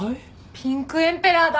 ピンクエンペラーだ！